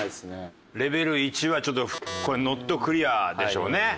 レベル１はちょっとこれノットクリアでしょうね。